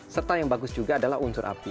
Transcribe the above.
serta yang bagus juga adalah unsur api